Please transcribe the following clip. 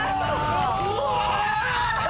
うわ！